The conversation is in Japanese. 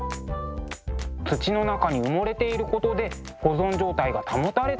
土の中に埋もれていることで保存状態が保たれたんでしょうね。